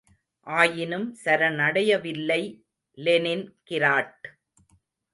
ஆயினும் சரணடையவில்லை Lenin grad.